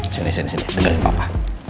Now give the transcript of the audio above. sini sini sini dengerin papa